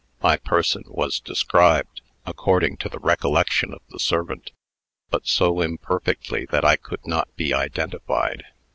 My person was described, according to the recollection of the servant, but so imperfectly that I could not be identified.